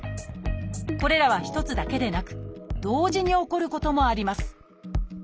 これらは一つだけでなく同時に起こることもあります